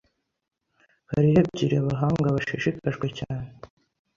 hariho ebyiri abahanga bashishikajwe cyane